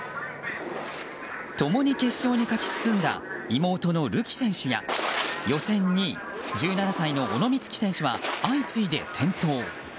共に決勝に勝ち進んだ妹のるき選手や予選２位、１７歳の小野光希選手は相次いで転倒。